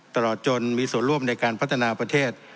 ตลอดจนมีส่วนร่วมในการพัฒนาประเทศ